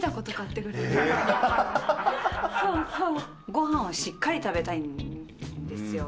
ごはんをしっかり食べたいんですよ。